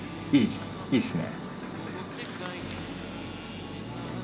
いいっすね。